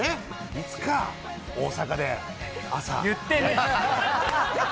いつか大阪で、朝。